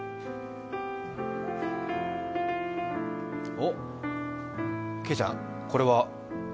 おっ、けいちゃん、これは？